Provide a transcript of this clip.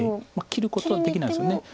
切ることはできないです。